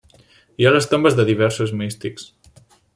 Hi ha les tombes de diversos místics.